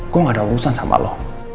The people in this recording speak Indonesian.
kok gak ada urusan sama lo